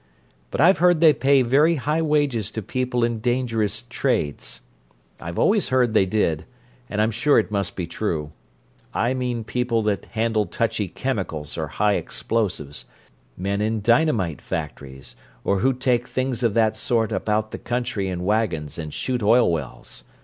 "But I've heard they pay very high wages to people in dangerous trades; I've always heard they did, and I'm sure it must be true. I mean people that handle touchy chemicals or high explosives—men in dynamite factories, or who take things of that sort about the country in wagons, and shoot oil wells.